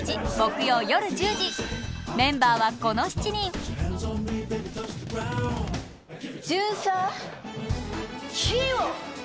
メンバーはこの７人巡査火を！